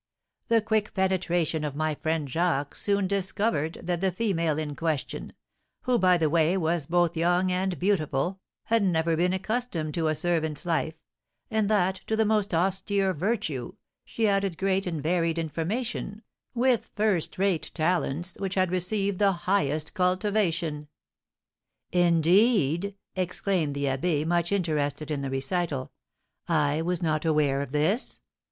The quick penetration of my friend Jacques soon discovered that the female in question (who, by the way, was both young and beautiful) had never been accustomed to a servant's life, and that, to the most austere virtue, she added great and varied information, with first rate talents, which had received the highest cultivation." "Indeed!" exclaimed the abbé, much interested in the recital. "I was not aware of this.